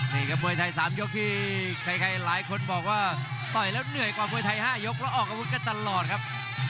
นี่ครับมวยไทย๓ยกที่ใครหลายคนบอกว่าต่อยแล้วเหนื่อยกว่ามวยไทย๕ยกแล้วออกอาวุธกันตลอดครับ